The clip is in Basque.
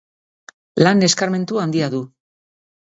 Lan eskarmentu handia du.